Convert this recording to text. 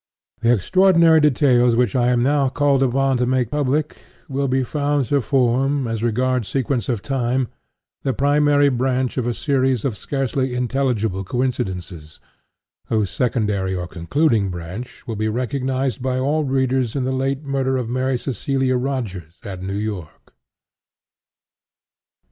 The extraordinary details which I am now called upon to make public, will be found to form, as regards sequence of time, the primary branch of a series of scarcely intelligible coincidences, whose secondary or concluding branch will be recognized by all readers in the late murder of Mary Cecila Rogers, at New York.